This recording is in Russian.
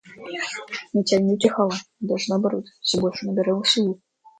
Метель не утихала, а даже наоборот, все больше набирала силу.